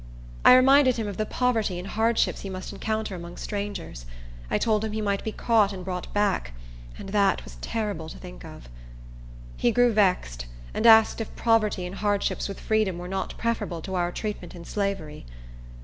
I reminded him of the poverty and hardships he must encounter among strangers. I told him he might be caught and brought back; and that was terrible to think of. He grew vexed, and asked if poverty and hardships with freedom, were not preferable to our treatment in slavery.